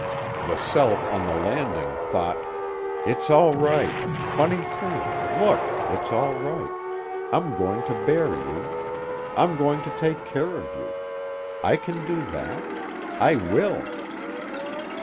The self on the landing thought: _It's all right, Funny Thing, look, it's all right, I'm going to bear you. I'm going to take care of you. I can do that. I will.